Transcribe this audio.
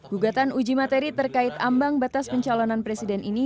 gugatan uji materi terkait ambang batas pencalonan presiden ini